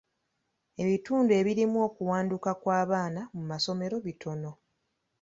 Ebitundu ebirimu okuwanduka kw'abaana mu masomero bitono.